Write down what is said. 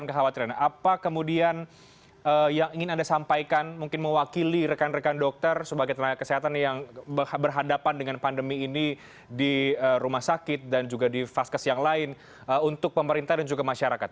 kekhawatiran apa kemudian yang ingin anda sampaikan mungkin mewakili rekan rekan dokter sebagai tenaga kesehatan yang berhadapan dengan pandemi ini di rumah sakit dan juga di vaskes yang lain untuk pemerintah dan juga masyarakat